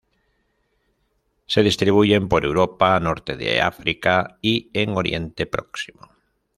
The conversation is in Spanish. Se distribuyen por Europa, Norte de África y en Oriente Próximo.